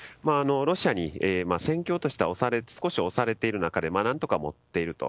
ロシアに戦況としては少し押されている中で何とか持っていると。